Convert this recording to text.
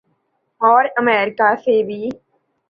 اور امریکہ سے بھی۔